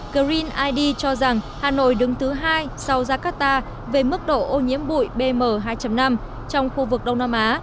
green id cho rằng hà nội đứng thứ hai sau jakarta về mức độ ô nhiễm bụi bm hai năm trong khu vực đông nam á